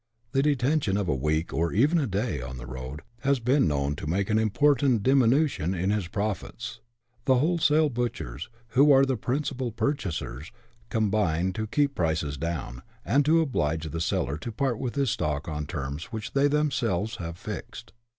The detention of a week, or ev^n a day, on the road, has been known to make an important diminution in his profits. The wholesale butchers, who are the principal purchasers, combine to keep down prices, and to oblige the seller to part with his stock on terms which they themselves have fixed.